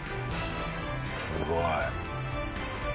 すごい。